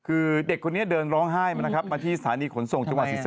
คือเด็กคนนี้เดินร้องไห้มานะครับมาที่สถานีขนส่งจังหวัดศรีสะ